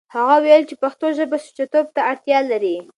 هغه وويل چې پښتو ژبه سوچه توب ته اړتيا لري.